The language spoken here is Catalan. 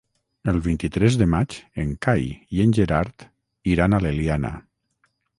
El vint-i-tres de maig en Cai i en Gerard iran a l'Eliana.